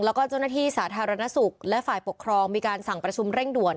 แล้วก็เจ้าหน้าที่สาธารณสุขและฝ่ายปกครองมีการสั่งประชุมเร่งด่วน